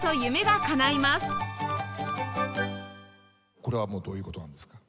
これはどういう事なんですか？